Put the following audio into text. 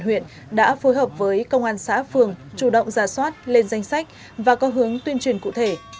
huyện đã phối hợp với công an xã phường chủ động ra soát lên danh sách và có hướng tuyên truyền cụ thể